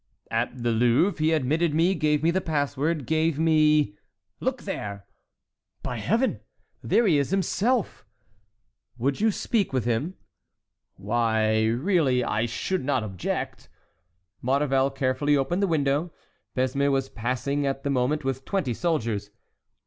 "At the Louvre. He admitted me, gave me the pass word, gave me"— "Look there!" "By Heaven!—there he is himself." "Would you speak with him?" "Why, really, I should not object." Maurevel carefully opened the window; Besme was passing at the moment with twenty soldiers.